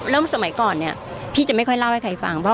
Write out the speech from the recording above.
สมัยก่อนเนี่ยพี่จะไม่ค่อยเล่าให้ใครฟัง